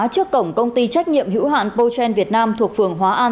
trước cổng công ty trách nhiệm hữu hạn pochen việt nam thuộc phường hóa an